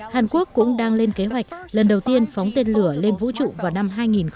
hàn quốc cũng đang lên kế hoạch lần đầu tiên phóng tên lửa lên vũ trụ vào năm hai nghìn hai mươi